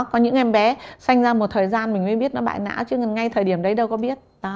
có những em bé xanh ra một thời gian mình mới biết nó bại não chứ ngay thời điểm đấy đâu có biết